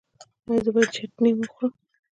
ایا زه باید چتني وخورم؟